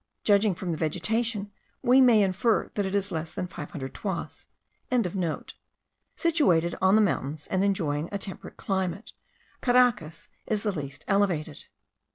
Judging from the vegetation, we may infer that it is less than 500 toises.) situated on the mountains, and enjoying a temperate climate, Caracas is the least elevated.